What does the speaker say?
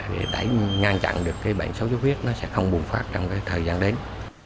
để ngăn chặn được cái bệnh suốt huyết nó sẽ không bùng phát trong cái thời gian đến